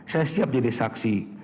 saya siap jadi saksi